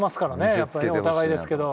やっぱりお互いですけど。